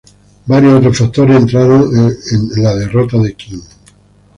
Varios otros factores entraron en la derrota de King.